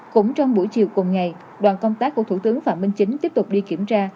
cũng trong buổi chiều cùng ngày đoàn công tác của thủ tướng phạm minh chính tiếp tục đi kiểm tra